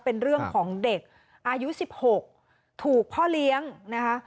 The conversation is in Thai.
เป็นเรื่องของเด็กอายุ๑๖ถูกพ่อเลี้ยงนะคะ